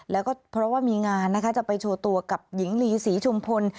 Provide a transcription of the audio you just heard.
แล้วก็เพราะว่ามีงานนะคะจะไปโชว์ตัวกับหญิงลีศรีชุมพล